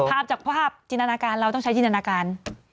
ภาพจากภาพจินตนาการเราต้องใช้จินตนาการ